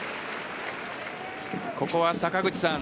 ここは坂口さん